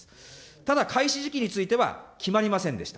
ただ、開始時期については決まりませんでした。